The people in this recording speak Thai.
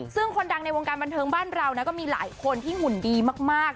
ซึ่งคนดังในวงการบันเทิงบ้านเราก็มีหลายคนที่หุ่นดีมาก